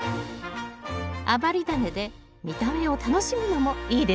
余りダネで見た目を楽しむのもいいですよね